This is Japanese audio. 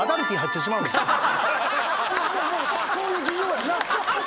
もうそういう需要やんな。